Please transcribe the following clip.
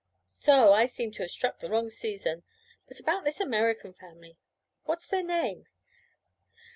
'So! I seem to have struck the wrong season. But about this American family, what's their name?'